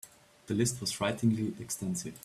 The list was frighteningly extensive.